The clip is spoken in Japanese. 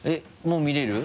もう見れる？